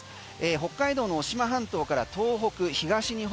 北海道の渡島半島から東北、東日本